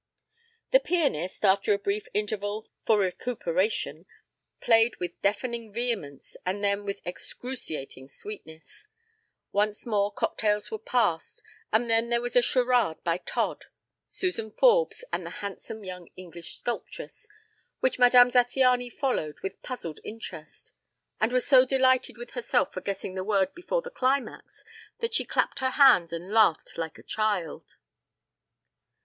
The pianist, after a brief interval for recuperation, played with deafening vehemence and then with excruciating sweetness. Once more cocktails were passed, and then there was a charade by Todd, Suzan Forbes and the handsome young English sculptress, which Madame Zattiany followed with puzzled interest; and was so delighted with herself for guessing the word before the climax that she clapped her hands and laughed like a child.